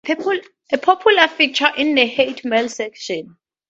A popular feature is the Hate Mail section.